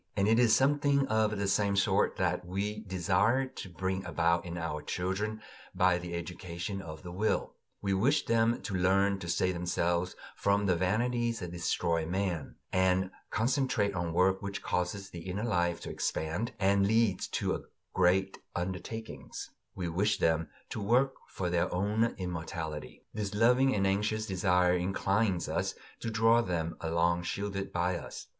And it is something of the same sort that we desire to bring about in our children by the education of the will; we wish them to learn to save themselves from the vanities that destroy man, and concentrate on work which causes the inner life to expand, and leads to great undertakings; we wish them to work for their own immortality. This loving and anxious desire inclines us to draw them along shielded by us.